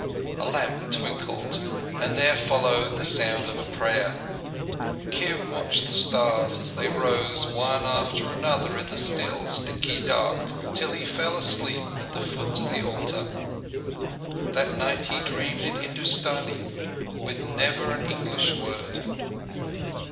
A lamp twinkled, and there followed the sound of a prayer. Kim watched the stars as they rose one after another in the still, sticky dark, till he fell asleep at the foot of the altar. That night he dreamed in Hindustani, with never an English word...